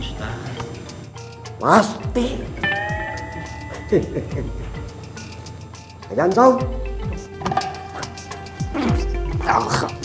setan duduk di atas kebenarkan